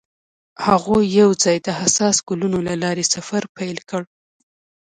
هغوی یوځای د حساس ګلونه له لارې سفر پیل کړ.